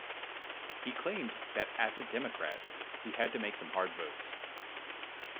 He claimed that as a Democrat, he had to make some hard votes.